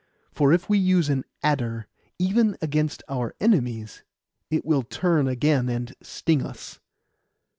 For if we use an adder even against our enemies, it will turn again and sting us.